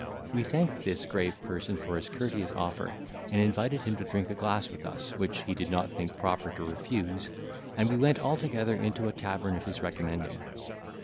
We thanked this grave person for his courteous offer, and invited him to drink a glass with us, which he did not think proper to refuse, and we went altogether into a tavern of his recommending.